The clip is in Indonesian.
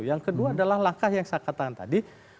yang kedua adalah langkah yang saya katakan tadi